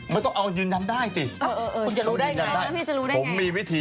ไม่ต้องเอายืนยันได้สิ